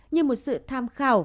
như một sự tham khảo